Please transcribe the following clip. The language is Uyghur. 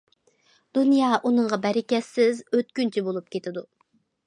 دۇنيا ئۇنىڭغا بەرىكەتسىز، ئۆتكۈنچى بولۇپ كېتىدۇ.